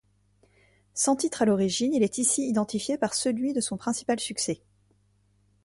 Sans titre à l'origine, il est ici identifié par celui de son principal succès.